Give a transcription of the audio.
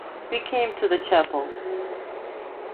We came to the chapel.